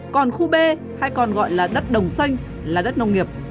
còn khu b hay còn gọi là đất đồng xanh là đất nông nghiệp